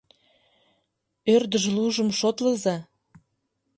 — Ӧрдыжлужым шотлыза!